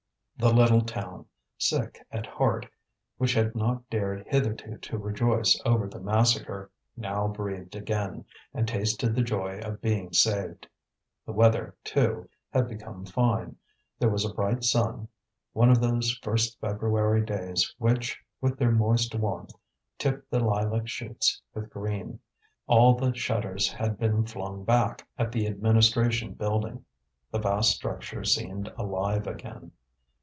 The little town, sick at heart, which had not dared hitherto to rejoice over the massacre, now breathed again, and tasted the joy of being saved. The weather, too, had become fine; there was a bright sun one of those first February days which, with their moist warmth, tip the lilac shoots with green. All the shutters had been flung back at the administration building, the vast structure seemed alive again.